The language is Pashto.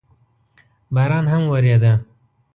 باران هم اورېده.